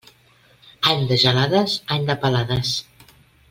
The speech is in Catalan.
Any de gelades, any de pelades.